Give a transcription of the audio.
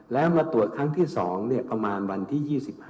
แล้วมาตรวจครั้งที่๒ประมาณวันที่๒๕